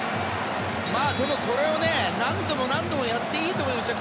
これを何度も何度もやっていいと思いますよ。